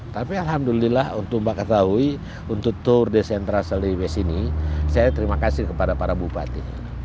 tapi alhamdulillah untuk mbak ketahui untuk tour de centra selly waste ini saya terima kasih kepada para bupati